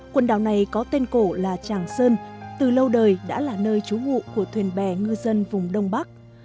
quần đảo này có tên cổ là tràng sơn từ lâu đời đã là nơi trú ngụ của thuyền bè ngư dân vùng đông bắc